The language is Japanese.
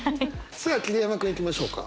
さあ桐山君いきましょうか。